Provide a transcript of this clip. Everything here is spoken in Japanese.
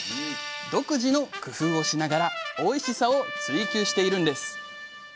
独自の工夫をしながらおいしさを追求しているんです。